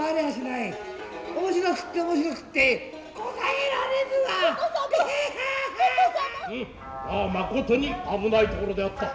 ヤアまことに危ないところであった。